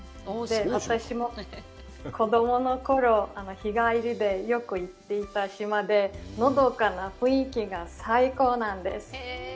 私も子供のころ、日帰りでよく行っていた島で、のどかな雰囲気が最高なんです。